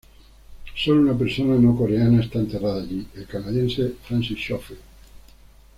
Sólo una persona no coreana está enterrada allí, el canadiense Francis Schofield.